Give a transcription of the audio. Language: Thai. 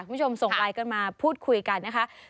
คุณผู้ชมส่งไลน์กันมาพูดคุยกันนะคะ